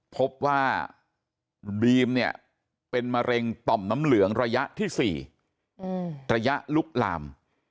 พบว่าบีมเนี่ยเป็นมะเร็งต่อมน้ำเหลืองระยะที่๔ระยะลุกลาม